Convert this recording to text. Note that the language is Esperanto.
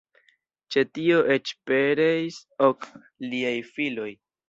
Ĉe tio eĉ pereis ok liaj filoj.